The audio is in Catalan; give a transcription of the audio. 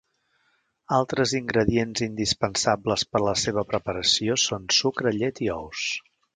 Altres ingredients indispensables per a la seva preparació són sucre, llet i ous.